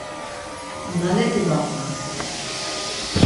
Naleti gaqvas!